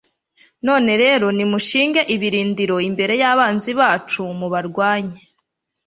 none rero, nimushinge ibirindiro imbere y'abanzi bacu, mubarwanye